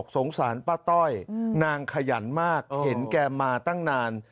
สงสารป้าต้อยนางขยันมากเห็นแกมาตั้งนาน